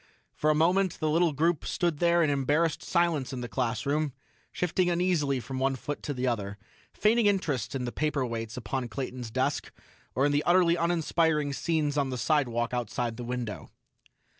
For a moment, the little group stood there in embarrassed silence in the classroom, shifting uneasily from one foot to the other, feigning interest in the paperweights upon Clayton's desk, or in the utterly uninspiring scenes on the sidewalk outside the window.